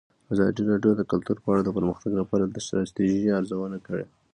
ازادي راډیو د کلتور په اړه د پرمختګ لپاره د ستراتیژۍ ارزونه کړې.